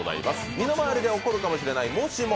身の回りで起こるかもしれない、もしも。